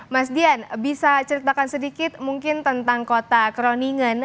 mas dian bisa ceritakan sedikit mungkin tentang kota kroningan